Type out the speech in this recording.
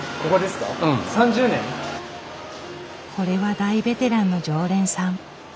これは大ベテランの常連さん。